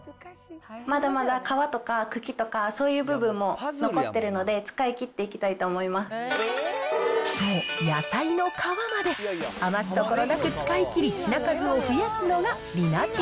まだまだ皮とか茎とか、そういう部分も残っているので、使いそう、野菜の皮まで余すところなく使いきり、品数を増やすのが、りなてぃ